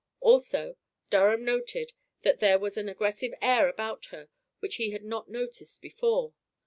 Also Durham noted that there was an aggressive air about her which he had not noticed before.